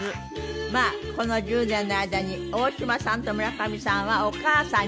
まあこの１０年の間に大島さんと村上さんはお母さんにおなりになりました。